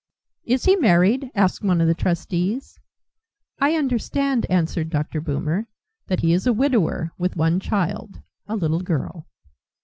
"Is he married?" asked one of the trustees. "I understand," answered Dr. Boomer, "that he is a widower with one child, a little girl."